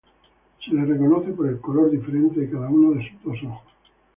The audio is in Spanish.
Se les reconoce por el color diferente de cada uno de sus dos ojos.